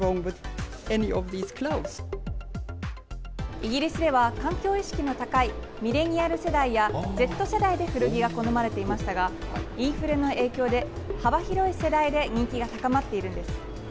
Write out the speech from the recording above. イギリスでは、環境意識が高いミレニアル世代やＺ世代で古着が好まれていましたがインフレの影響で幅広い世代で人気が高まっているんです。